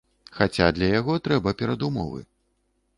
Хаця для яго трэба перадумовы.